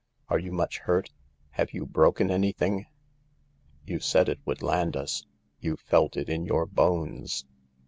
"Are you much hurt ? Have you broken anything ?"" You said it would land us 1 You felt it in your bones.